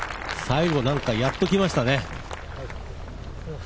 最後、なんかやっときましたね。